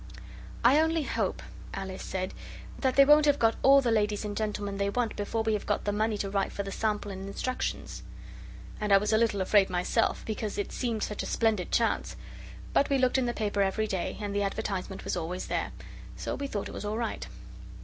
'I only hope,' Alice said, 'that they won't have got all the ladies and gentlemen they want before we have got the money to write for the sample and instructions.' And I was a little afraid myself, because it seemed such a splendid chance; but we looked in the paper every day, and the advertisement was always there, so we thought it was all right.